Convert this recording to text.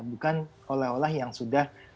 bukan oleh oleh yang sudah